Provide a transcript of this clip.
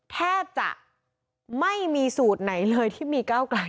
แทบจะไม่มีสูตรไหนเลยที่มีเก้าไกล